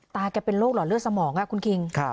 แกเป็นโรคหลอดเลือดสมองคุณคิง